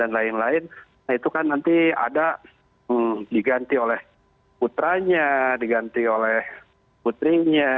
nah itu kan nanti ada diganti oleh putranya diganti oleh putrinya